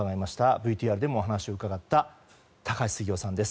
ＶＴＲでもお話を伺った高橋杉雄さんです。